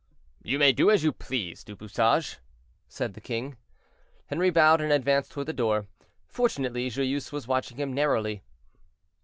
"You may do as you please, Du Bouchage," said the king. Henri bowed and advanced toward the door. Fortunately Joyeuse was watching him narrowly.